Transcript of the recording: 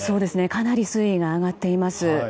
かなり水位が上がっています。